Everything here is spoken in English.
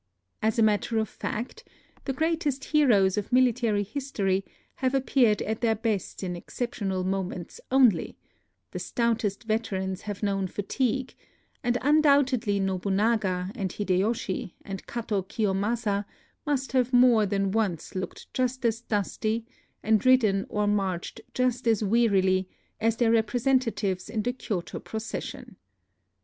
As a matter of fact, the greatest heroes of military history have appeared at their best in exceptional mo ments only ; the stoutest veterans have known fatigue ; and undoubtedly Nobunaga and Hi deyoshi and Kato Kiyomasa must have more than once looked just as dusty, and ridden or marched just as wearily, as their representa tives in the Kyoto procession.